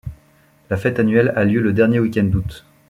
La fête annuelle a lieu le dernier week-end d'août.